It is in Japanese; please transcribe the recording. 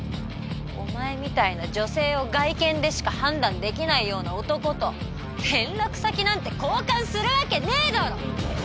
お前みたいな女性を外見でしか判断できないような男と連絡先なんて交換するわけねえだろ！